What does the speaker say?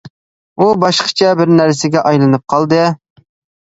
ئۇ باشقىچە بىر نەرسىگە ئايلىنىپ قالدى.